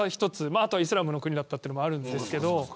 あとはイスラムの国だったというのもあるんですけど。